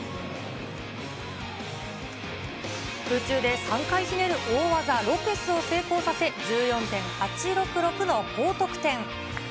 空中で３回ひねる大技、ロペスを成功させ、１４．８６６の高得点。